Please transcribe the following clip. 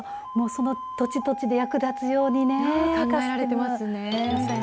その土地土地で、役立つようにね、考えられてますね。